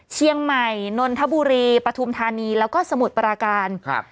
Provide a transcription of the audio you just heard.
เชียงใหม่นนทบุรีปฐุมธานีแล้วก็สมุทรปราการครับ